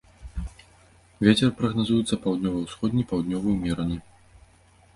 Вецер прагназуецца паўднёва-ўсходні, паўднёвы ўмераны.